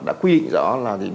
đã quy định rõ là